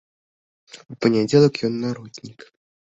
У панядзелак ён народнік.